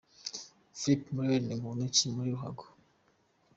Philip Mulryne ni muntu ki muri ruhago?.